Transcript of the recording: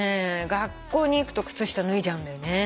学校に行くと靴下脱いじゃうんだよね。